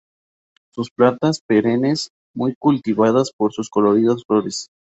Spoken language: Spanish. Son plantas perennes muy cultivadas por sus coloridas flores.